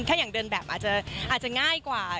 ถ้าอย่างเดินแบบอาจจะง่ายกว่า